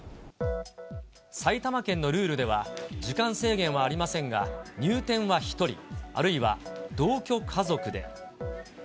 埼玉県のルールでは、時間制限はありませんが、入店は１人、あるいは同居家族で。